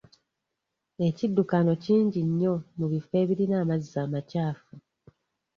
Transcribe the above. Ekiddukano kingi nnyo mu bifo ebirina amazzi amakyafu.